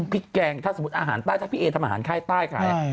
พี่แกงถ้าสมมุติอาหารใต้ถ้าพี่เอ๋ทำอาหารใต้